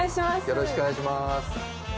よろしくお願いします。